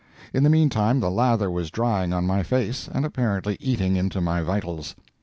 In the mean time the lather was drying on my face, and apparently eating into my vitals.